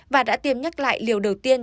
và đã tiêm nhắc lại liều đầu tiên